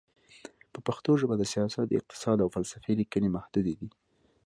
په پښتو ژبه د سیاست، اقتصاد، او فلسفې لیکنې محدودې دي.